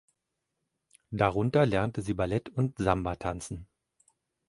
Darunter lernte sie Ballet und Samba tanzen.